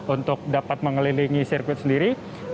untuk dapat mengelilingi sirkuit sendiri